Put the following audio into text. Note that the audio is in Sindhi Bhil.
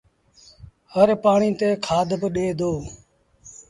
هر پآڻيٚ تي کآڌ با ڏي دو